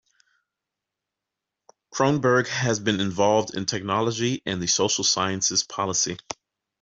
Cronberg has been involved in technology and the social sciences policy.